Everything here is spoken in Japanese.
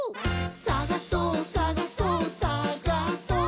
「さがそうさがそうさがそう」